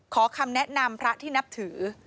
ขอคำแนะนำพระที่นับถือ